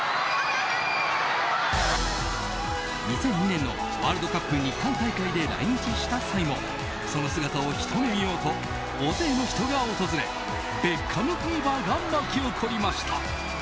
２００２年のワールドカップ日韓大会で来日した際もその姿をひと目見ようと大勢の人が訪れベッカムフィーバーが巻き起こりました。